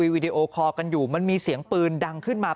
พี่ปูวิดีโอคอล์มา